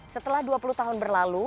setelah dua puluh tahun berlalu